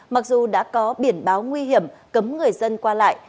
mặc dù đã có biển báo nguy hiểm cấm người dân qua lại